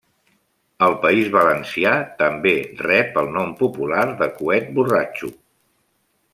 Al País Valencià també rep el nom popular de coet borratxo.